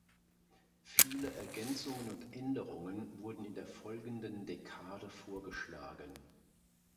Viele Ergänzungen und Änderungen wurden in der folgenden Dekade vorgeschlagen.